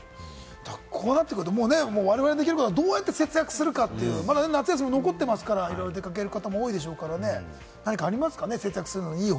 こうなってくると、われわれにできることはどうやって節約するか、夏休みまだ残ってますから、出掛ける方も多いでしょうから、何かありますかね？